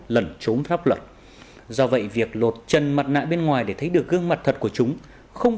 lẩn trốn pháp luật do vậy việc lột chân mặt nạ bên ngoài để thấy được gương mặt thật của chúng không